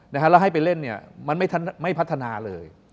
แล้วให้ไปเล่นเนี่ยมันไม่พัฒนาเลย